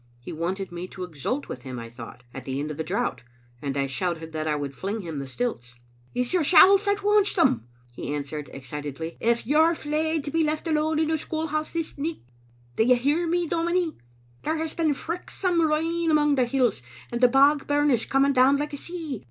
He wanted me to exult with him, I thought, in the end of the drought, and I shouted that I would fling him the stilts. "It's yoursel* that wants them," he answered excit edly, " if you're fleid to be left alone in the school house the nicht. Do you hear me, dominie? There has been frichtsome rain among the hills, and the Bog bum is coming down like a sea.